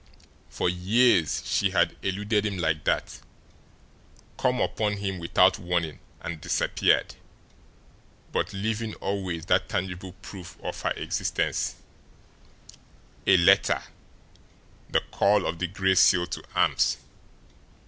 For years she had eluded him like that, come upon him without warning and disappeared, but leaving always that tangible proof of her existence a letter, the call of the Gray Seal to arms.